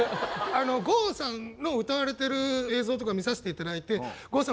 郷さんの歌われてる映像とか見させて頂いて郷さん